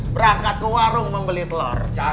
berangkat ke warung membeli telur